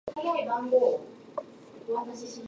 ばら撒かれた光に照らされて、洞窟の中がまばらに輝いていた